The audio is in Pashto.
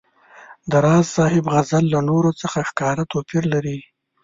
د راز صاحب غزل له نورو څخه ښکاره توپیر لري.